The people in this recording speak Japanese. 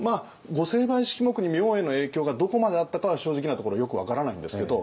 御成敗式目に明恵の影響がどこまであったかは正直なところよく分からないんですけど